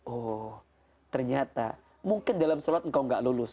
oh ternyata mungkin dalam sholat engkau gak lulus